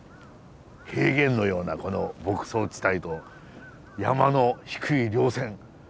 平原のようなこの牧草地帯と山の低いりょう線。